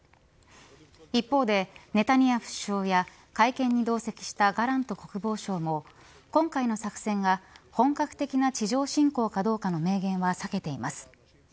一方で、ネタニヤフ首相や会見に同席したガラント国防相も今回の作戦が本格的な地上侵攻かどうかの明言は避けています。